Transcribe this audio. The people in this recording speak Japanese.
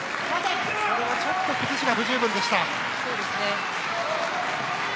ちょっと崩しが不十分でした。